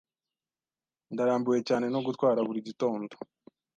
Ndarambiwe cyane no gutwara buri gitondo.